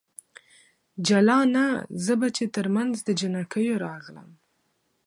جلانه ! زه به چې ترمنځ د جنکیو راغلم